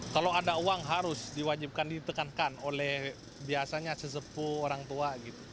kalau ada uang harus diwajibkan ditekankan oleh biasanya sesepuh orang tua